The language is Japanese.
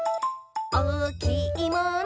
「おおきいもの？